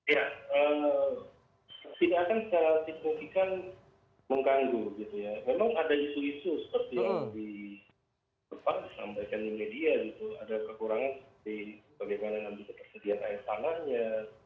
ya tidak akan secara signifikan mengganggu gitu ya memang ada isu isu seperti yang disampaikan di media gitu ada kekurangan seperti bagaimana nanti ketersediaan air tanahnya